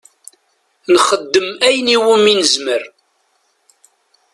Nxeddem ayen iwimi nezmer.